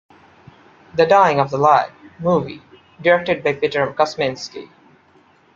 The Dying of the Light - Movie, directed by Peter Kosminsky.